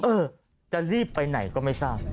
เออจะรีบไปไหนก็ไม่ทราบ